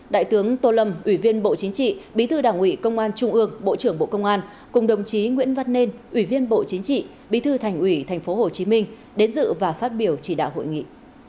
đại tướng tô lâm ủy viên bộ chính trị bí thư đảng ủy công an trung ương bộ trưởng bộ công an cùng đồng chí nguyễn văn nên ủy viên bộ chính trị bí thư thành ủy tp hcm đến dự và phát biểu chỉ đạo hội nghị